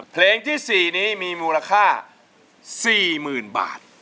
เพลงที่๔นี้มีมูลค่า๔๐๐๐บาท